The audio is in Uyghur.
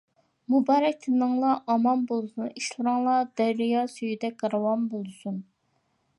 مۇبارەك تىنىڭلار ئامان بولسۇن، ئىشلىرىڭلار دەريا سۈيىدەك راۋان بولسۇن!